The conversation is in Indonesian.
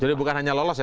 jadi bukan hanya lolos ya